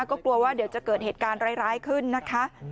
ก็กลัวว่าเดี๋ยวจะเกิดเหตุการณ์ร้ายขึ้นนะคะ